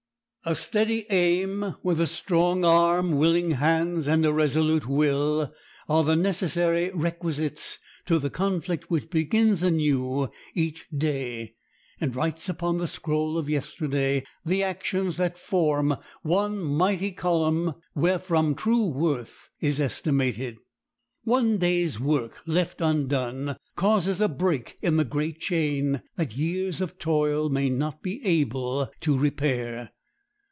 A steady aim, with a strong arm, willing hands, and a resolute will, are the necessary requisites to the conflict which begins anew each day and writes upon the scroll of yesterday the actions that form one mighty column wherefrom true worth is estimated. One day's work left undone causes a break in the great chain that years of toil may not be able to repair.